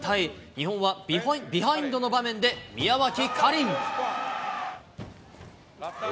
日本はビハインドの場面で、宮脇かりん。